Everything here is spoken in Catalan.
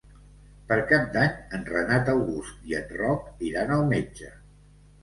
Per Cap d'Any en Renat August i en Roc iran al metge.